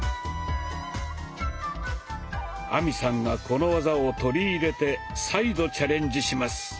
亜美さんがこの技を取り入れて再度チャレンジします。